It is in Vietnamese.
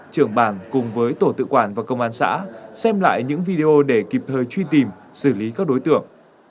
trưởng bản cùng với tổ tự quản và công an xã xem lại những video để kịp thời truy tìm xử lý các đối tượng